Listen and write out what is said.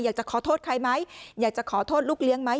อยากจะขอโทษใครไหมอยากจะขอโทษลูกเลี้ยงไหม